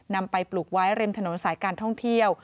นำไปปลูกไว้ริมถนนสายการท่องเที่ยว